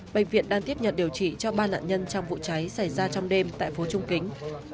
bệnh viện đang tiếp nhận điều trị cho ba nạn nhân trong vụ cháy xảy ra trong đêm tại phố trung kính